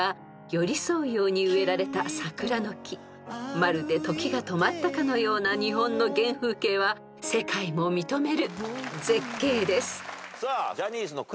［まるで時が止まったかのような日本の原風景は世界も認める絶景です］